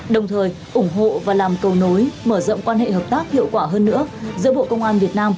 đồng thời ủng hộ và làm cầu nối mở rộng quan hệ hợp tác hiệu quả hơn nữa giữa bộ công an việt nam